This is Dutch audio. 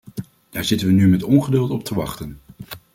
Daar zitten we nu met ongeduld op te wachten.